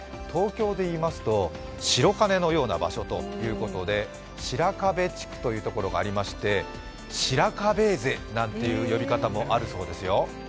東京で白金のような場所ということで白壁地区というところがありまして、シラカベーゼなんて呼び方もあるそうですよ。